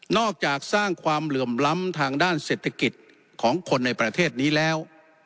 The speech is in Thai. อกจากสร้างความเหลื่อมล้ำทางด้านเศรษฐกิจของคนในประเทศนี้แล้ว